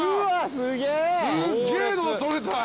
すげえのが撮れた！